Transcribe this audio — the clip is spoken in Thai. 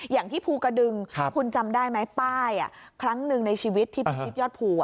อย่างที่ภูกระดึงคุณจำได้ไหมป้ายครั้งหนึ่งในชีวิตที่พิชิตยอดภู